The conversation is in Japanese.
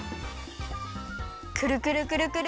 くるくるくるくる！